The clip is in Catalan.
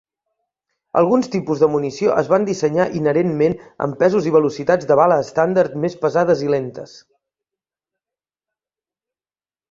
Alguns tipus de munició es van dissenyar inherentment amb pesos i velocitats de bala estàndard més pesades i lentes.